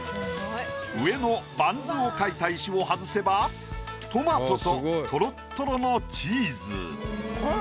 上のバンズを描いた石を外せばトマトとトロットロのチーズ。